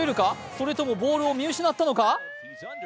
それともボールを見失ったのか？